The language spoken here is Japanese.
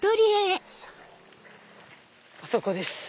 あそこです。